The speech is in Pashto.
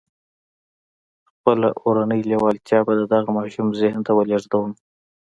خپله اورنۍ لېوالتیا به د دغه ماشوم ذهن ته ولېږدوم.